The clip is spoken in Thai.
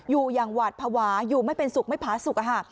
อยู่อย่างหวัดภาวะอยู่ไม่เป็นศุกร์ไม่ผาศุกร์อะฮะ